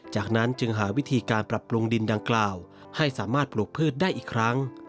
จากนั้นจึงหาวิธีการปรับปรุงดินดังกล่าวให้สามารถปลูกพืชได้อีกครั้ง